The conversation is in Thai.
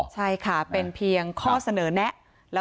ใช่ค่ะเป็นเพียงข้อเสนอแนะ